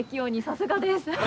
さすがです。